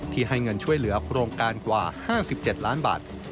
ให้เงินช่วยเหลือโครงการกว่า๕๗ล้านบาท